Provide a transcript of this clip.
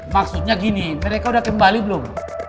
maksudnya gini mereka udah kembali belum